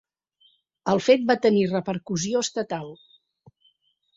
El fet va tenir repercussió estatal.